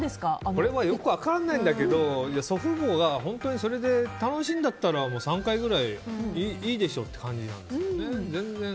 これはよく分からないんだけど祖父母が本当にそれで楽しいんだったら３回ぐらいいいでしょっていう感じなんですけどね。